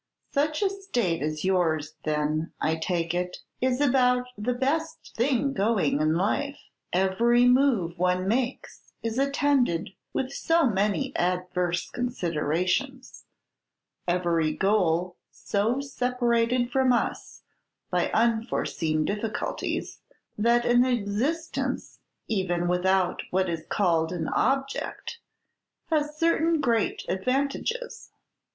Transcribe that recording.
"Such a state as yours, then, I take it, is about the best thing going in life. Every move one makes is attended with so many adverse considerations, every goal so separated from us by unforeseen difficulties, that an existence, even without what is called an object, has certain great advantages."